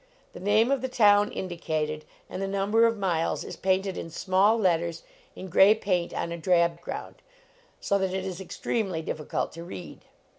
The name of the town indi cated, and the number of miles is painted in small letters, in gray paint on a drab ground, so that it is extremely difficult to read.